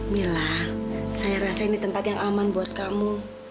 mila saya rasa ini tempat yang aman buat kamu